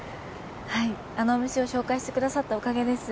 はいあのお店を紹介してくださったおかげです。